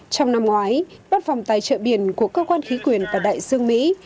trong năm ngoái bát phòng tài trợ biển của cơ quan khí quyền và đại dương mỹ